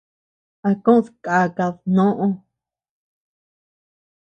¿A kod kàkad noʼo?